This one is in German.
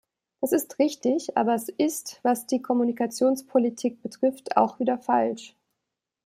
Das ist richtig, aber es ist, was die Kommunikationspolitik betrifft, auch wieder falsch.